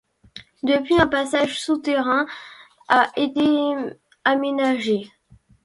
Depuis un passage souterrain a été aménagé.